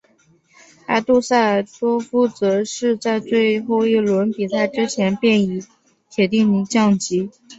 而杜塞尔多夫则是在最后一轮比赛之前便已铁定降级。